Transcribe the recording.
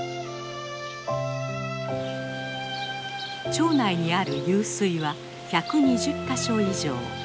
町内にある湧水は１２０か所以上。